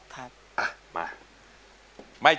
สมาธิพร้อมเพลงที่๑เพลงมาครับ